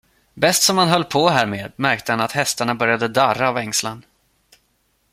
Bäst som han höll på härmed märkte han att hästarna började darra av ängslan.